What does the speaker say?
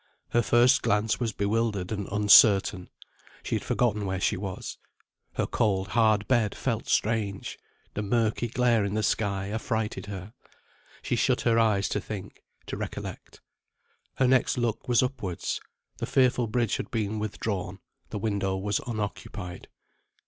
Her first glance was bewildered and uncertain. She had forgotten where she was. Her cold, hard bed felt strange; the murky glare in the sky affrighted her. She shut her eyes to think, to recollect. Her next look was upwards. The fearful bridge had been withdrawn; the window was unoccupied.